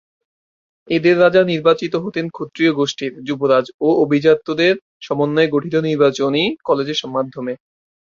এদের রাজা নির্বাচিত হতেন ক্ষত্রিয় গোষ্ঠীর যুবরাজ ও অভিজাতদের সমন্বয়ে গঠিত নির্বাচনী কলেজের মাধ্যমে।